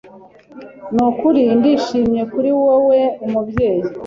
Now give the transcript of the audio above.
Nukuri ndishimye kuri wewe, Umubyeyi.